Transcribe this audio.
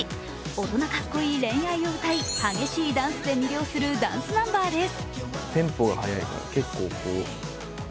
大人かっこいい恋愛を歌い激しいダンスで魅了するダンスナンバーです。